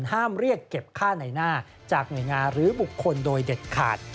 ห้ามเรียกเก็บค่าในหน้าจากหน่วยงานหรือบุคคลโดยเด็ดขาด